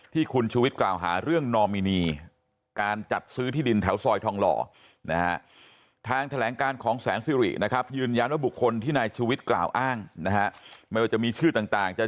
ที่คุณชูวิทย์กล่าวหาเรื่องนอมินีการจัดซื้อที่ดินแถวซอยทองหล่อนะฮะ